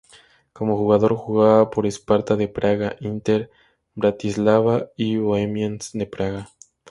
Cómo jugador jugaba por Sparta de Praga, Inter Bratislava y Bohemians de Praga.